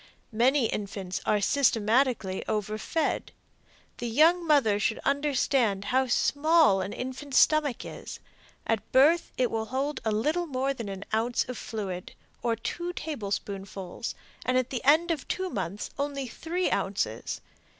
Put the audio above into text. Many infants are systematically overfed. The young mother should understand how small an infant's stomach is. At birth it will hold a little more than an ounce of fluid, or two tablespoonfuls, and at the end of two months only three ounces.